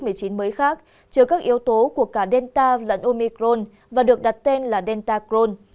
với khác chứa các yếu tố của cả delta lẫn omicron và được đặt tên là delta crohn